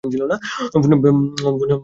ফোনে নেটওয়ার্ক নেই!